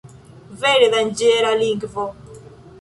Vere, danĝera lingvo!